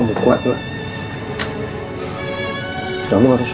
dari untuk negative strage dari mereka